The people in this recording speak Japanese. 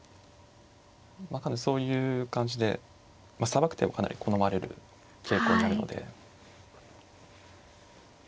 まあそういう感じでさばく手をかなり好まれる傾向にあるので。